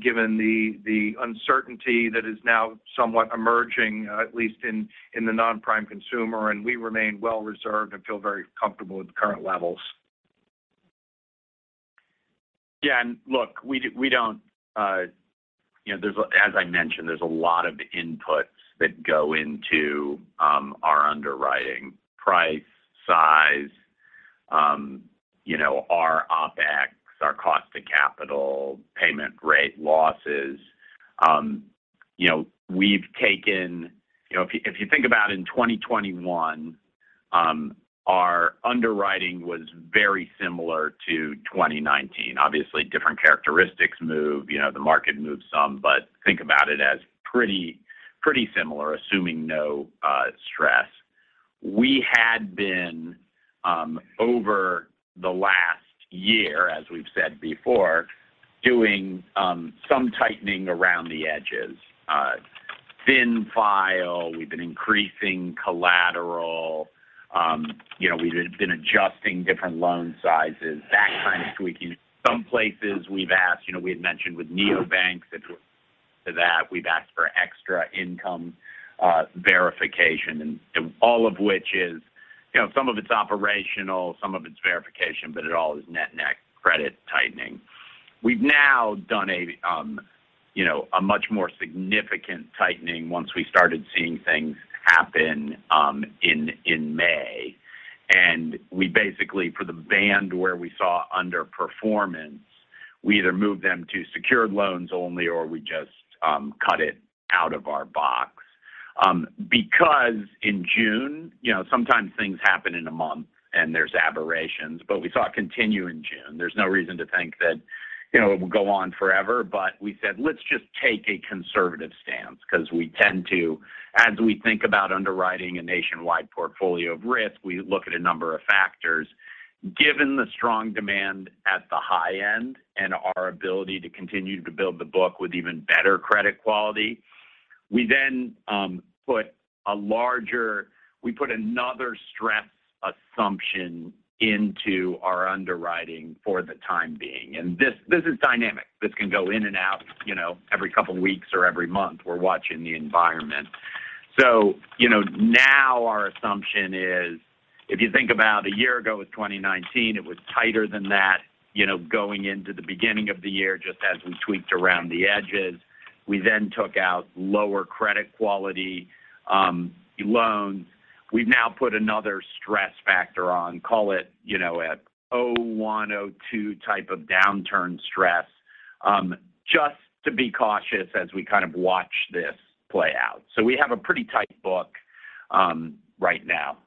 given the uncertainty that is now somewhat emerging, at least in the non-prime consumer. We remain well reserved and feel very comfortable with the current levels.
Yeah. Look, we don't, you know, there's as I mentioned, there's a lot of inputs that go into, our underwriting price, size, you know, our OpEx, our cost to capital, payment rate losses. You know, we've taken. You know, if you think about in 2021, our underwriting was very similar to 2019. Obviously, different characteristics move. You know, the market moved some, but think about it as pretty similar, assuming no stress. We had been, over the last year, as we've said before, doing, some tightening around the edges. Thin file. We've been increasing collateral. You know, we've been adjusting different loan sizes, that kind of tweaking. Some places we've asked, you know, we had mentioned with neobanks that we've asked for extra income verification and all of which is, you know, some of it's operational, some of it's verification, but it all is net-net credit tightening. We've now done, you know, a much more significant tightening once we started seeing things happen in May. We basically, for the band where we saw underperformance, we either moved them to secured loans only or we just cut it out of our box. Because in June, you know, sometimes things happen in a month and there's aberrations, but we saw it continue in June. There's no reason to think that, you know, it will go on forever. We said, "Let's just take a conservative stance," 'cause we tend to. As we think about underwriting a nationwide portfolio of risk, we look at a number of factors. Given the strong demand at the high end and our ability to continue to build the book with even better credit quality, we put another stress assumption into our underwriting for the time being. This is dynamic. This can go in and out, you know, every couple of weeks or every month. We're watching the environment. You know, now our assumption is, if you think about a year ago with 2019, it was tighter than that, you know, going into the beginning of the year, just as we tweaked around the edges. We then took out lower credit quality loans. We've now put another stress factor on, call it, you know, a 102 type of downturn stress, just to be cautious as we kind of watch this play out. We have a pretty tight book right now.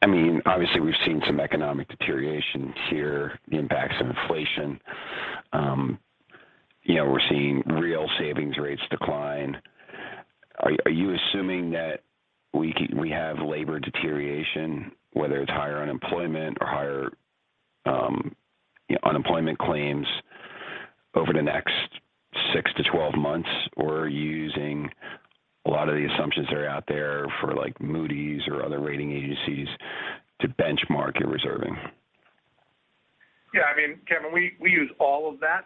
I mean, obviously we've seen some economic deterioration here, the impacts of inflation. You know, we're seeing real savings rates decline. Are you assuming that we have labor deterioration, whether it's higher unemployment or higher, you know, unemployment claims over the next 6-12 months? Or are you using a lot of the assumptions that are out there for like Moody's or other rating agencies to benchmark your reserving?
Yeah. I mean, Kevin, we use all of that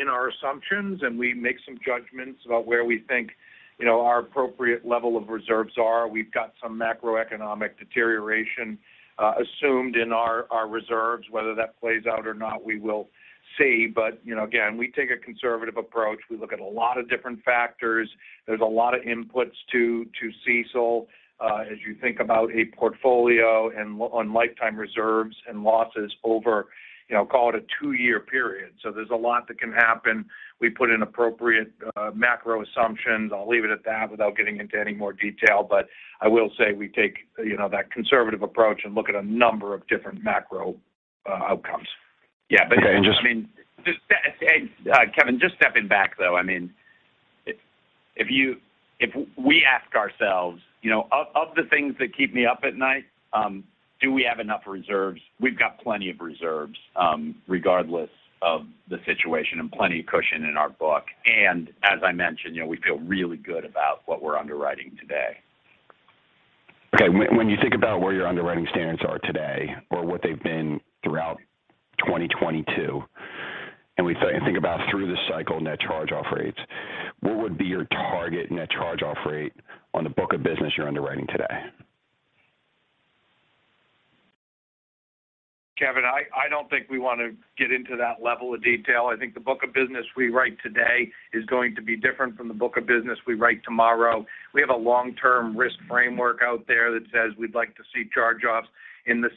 in our assumptions, and we make some judgments about where we think, you know, our appropriate level of reserves are. We've got some macroeconomic deterioration assumed in our reserves. Whether that plays out or not, we will see. You know, again, we take a conservative approach. We look at a lot of different factors. There's a lot of inputs to CECL as you think about a portfolio and on lifetime reserves and losses over, you know, call it a two-year period. There's a lot that can happen. We put in appropriate macro assumptions. I'll leave it at that without getting into any more detail, but I will say we take, you know, that conservative approach and look at a number of different macro outcomes.
Yeah. Just, I mean.
Okay. Just-
Kevin, just stepping back, though. I mean, if we ask ourselves, you know, of the things that keep me up at night, do we have enough reserves? We've got plenty of reserves, regardless of the situation, and plenty of cushion in our book. As I mentioned, you know, we feel really good about what we're underwriting today.
Okay. When you think about where your underwriting standards are today or what they've been throughout 2022, we think about through the cycle net charge-off rates. What would be your target net charge-off rate on the book of business you're underwriting today?
Kevin, I don't think we want to get into that level of detail. I think the book of business we write today is going to be different from the book of business we write tomorrow. We have a long-term risk framework out there that says we'd like to see charge-offs in the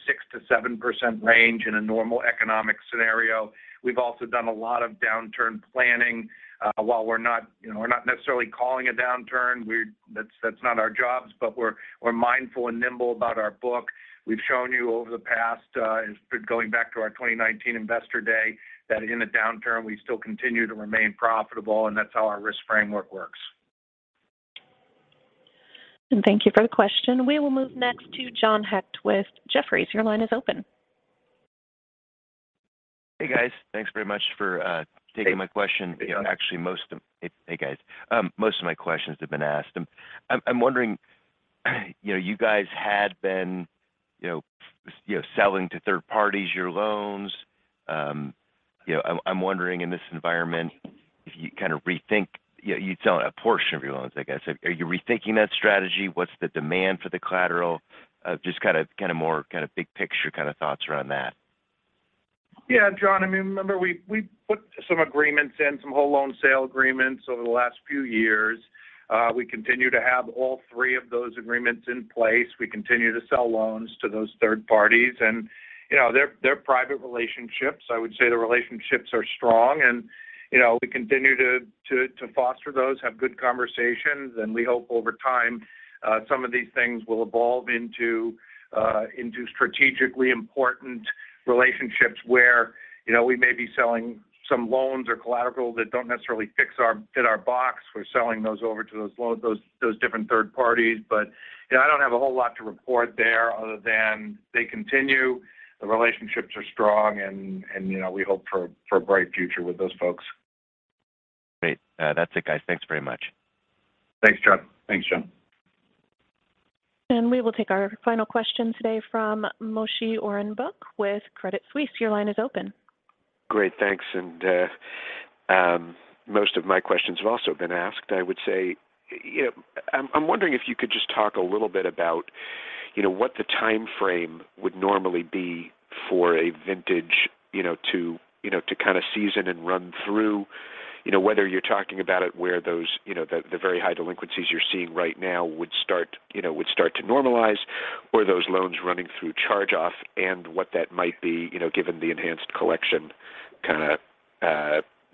6%-7% range in a normal economic scenario. We've also done a lot of downturn planning. While we're not, you know, we're not necessarily calling a downturn, that's not our jobs, but we're mindful and nimble about our book. We've shown you over the past, going back to our 2019 investor day, that in a downturn we still continue to remain profitable, and that's how our risk framework works.
Thank you for the question. We will move next to John Hecht with Jefferies. Your line is open.
Hey guys. Thanks very much for.
Hey
Taking my question. You know, actually, Hey, guys. Most of my questions have been asked. I'm wondering, you know, you guys had been, you know, selling to third parties your loans. You know, I'm wondering in this environment if you kind of rethink. You sell a portion of your loans, I guess. Are you rethinking that strategy? What's the demand for the collateral? Just kind of more kind of big picture kind of thoughts around that.
Yeah, John. I mean, remember we put some agreements in, some whole loan sale agreements over the last few years. We continue to have all three of those agreements in place. We continue to sell loans to those third parties. You know, they're private relationships. I would say the relationships are strong and, you know, we continue to foster those, have good conversations, and we hope over time, some of these things will evolve into strategically important relationships where, you know, we may be selling some loans or collateral that don't necessarily fit our box. We're selling those over to those different third parties. You know, I don't have a whole lot to report there other than they continue. The relationships are strong, and you know, we hope for a bright future with those folks.
Great. That's it, guys. Thanks very much.
Thanks, John.
Thanks, John.
We will take our final question today from Moshe Orenbuch with Credit Suisse. Your line is open.
Great. Thanks. Most of my questions have also been asked. I would say, you know, I'm wondering if you could just talk a little bit about, you know, what the timeframe would normally be for a vintage, you know, to kind of season and run through, you know, whether you're talking about it where those, you know, the very high delinquencies you're seeing right now would start to normalize or those loans running through charge-off and what that might be, you know, given the enhanced collection kind of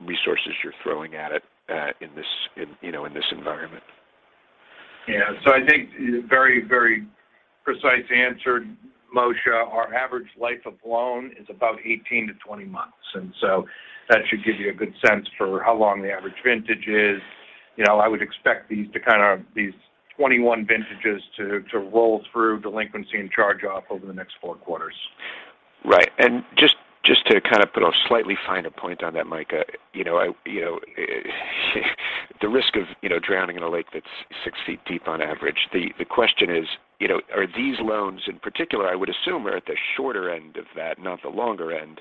resources you're throwing at it in this environment.
Yeah. I think very, very precise answer, Moshe. Our average life of loan is about 18-20 months, and so that should give you a good sense for how long the average vintage is. You know, I would expect these 21 vintages to roll through delinquency and charge-off over the next four quarters.
Right. Just to kind of put a slightly finer point on that, Mike, you know, you know. The risk of, you know, drowning in a lake that's six feet deep on average. The question is, you know, are these loans in particular, I would assume, are at the shorter end of that, not the longer end,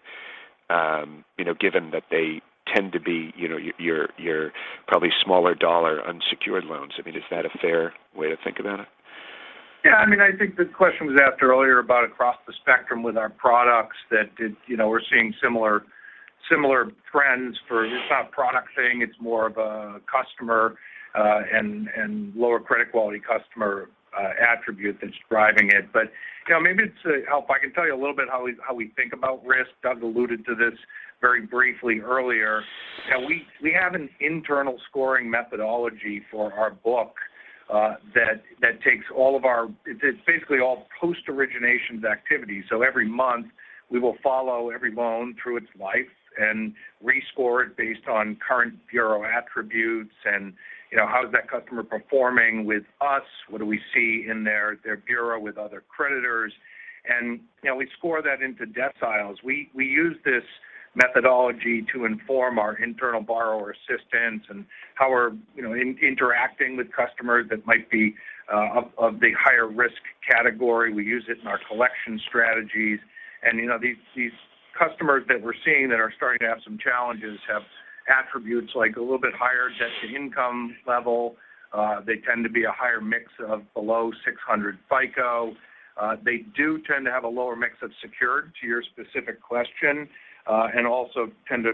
you know, given that they tend to be, you know, your probably smaller dollar unsecured loans. I mean, is that a fair way to think about it?
Yeah. I mean, I think the question was asked earlier about across the spectrum with our products. You know, we're seeing similar trends. It's not a product thing, it's more of a customer and lower credit quality customer attribute that's driving it. You know, maybe to help, I can tell you a little bit how we think about risk. Doug alluded to this very briefly earlier, that we have an internal scoring methodology for our book that takes all of our. It's basically all post-originations activity. Every month we will follow every loan through its life and rescore it based on current bureau attributes and, you know, how is that customer performing with us? What do we see in their bureau with other creditors? You know, we score that into deciles. We use this methodology to inform our internal borrower assistance and how we're interacting with customers that might be of the higher risk category. We use it in our collection strategies. You know, these customers that we're seeing that are starting to have some challenges have attributes like a little bit higher debt-to-income level. They tend to be a higher mix of below 600 FICO. They do tend to have a lower mix of secured, to your specific question. Also tend to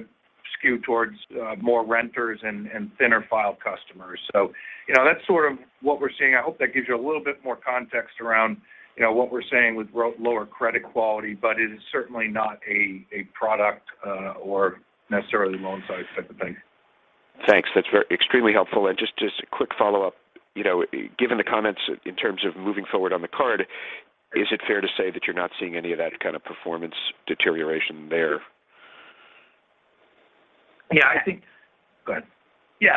skew towards more renters and thin file customers. You know, that's sort of what we're seeing. I hope that gives you a little bit more context around what we're seeing with lower credit quality, but it is certainly not a product or necessarily loan size type of thing.
Thanks. That's very extremely helpful. Just a quick follow-up. You know, given the comments in terms of moving forward on the card, is it fair to say that you're not seeing any of that kind of performance deterioration there?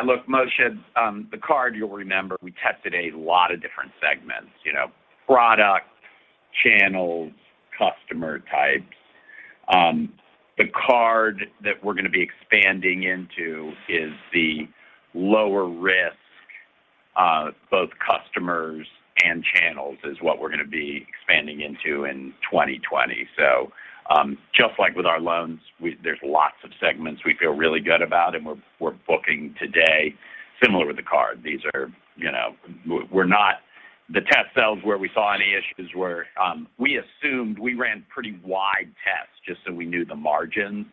Look, Moshe, the card you'll remember we tested a lot of different segments, you know, product, channels, customer types. The card that we're going to be expanding into is the lower risk, both customers and channels is what we're going to be expanding into in 2020. Just like with our loans, there's lots of segments we feel really good about and we're booking today similar with the card. These are, you know. We're not. The test cells where we saw any issues were, we assumed we ran pretty wide tests just so we knew the margin.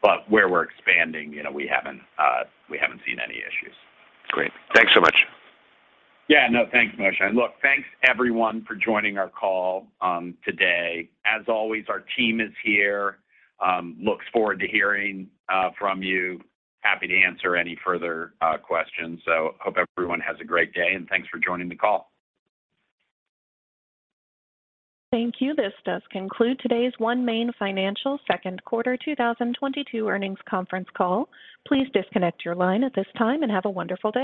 But where we're expanding, you know, we haven't seen any issues.
Great. Thanks so much.
Yeah, no. Thanks, Moshe. Look, thanks everyone for joining our call today. As always, our team is here, looks forward to hearing from you. Happy to answer any further questions. Hope everyone has a great day, and thanks for joining the call.
Thank you. This does conclude today's OneMain Financial second quarter 2022 earnings conference call. Please disconnect your line at this time and have a wonderful day.